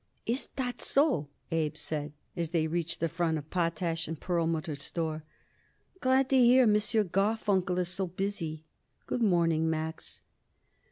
"Is that so?" Abe said, as they reached the front of Potash & Perlmutter's store. "Glad to hear M. Garfunkel is so busy. Good morning, Max."